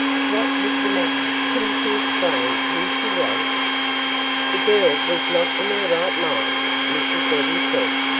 What was the matter couldn't she explain who she was?" "The girl was not in her right mind," Mrs. Eddy said.